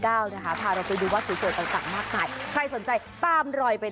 นะคะพาเราไปดูวัดสวยต่างมากมายใครสนใจตามรอยไป